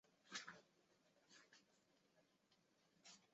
宁布尔格是德国下萨克森州的一个市镇。